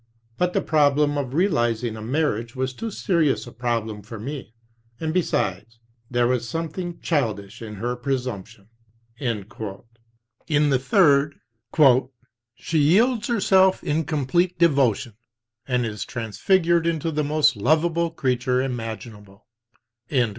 But the problem of realizing a marriage was too serious a problem for me, and besides, there was something childish in her presumption." In the third, "she yields herself in complete devotion, and is transfigured into the most lovable creature imaginable."